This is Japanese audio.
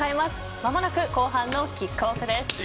間もなく後半のキックオフです。